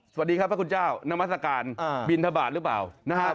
สวัสดีครับพระคุณเจ้านามัศกาลบินทบาทหรือเปล่านะครับ